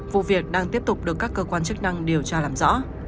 vụ việc đang tiếp tục được các cơ quan chức năng điều tra làm rõ